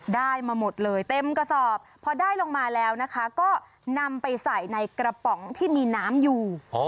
ได้มาหมดเลยเต็มกระสอบพอได้ลงมาแล้วนะคะก็นำไปใส่ในกระป๋องที่มีน้ำอยู่